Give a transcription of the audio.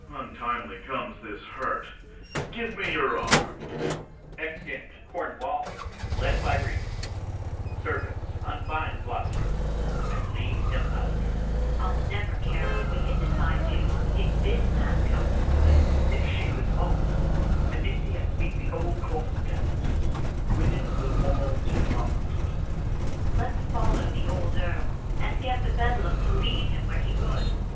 Untimely comes this hurt. Give me your arm. Exit [Cornwall, led by Regan]. 2. Serv. I'll never care what wickedness I do, If this man come to good. 3. Serv. If she live long, And in the end meet the old course of death, Women will all turn monsters. 2. Serv. Let's follow the old Earl, and get the bedlam To lead him where he would.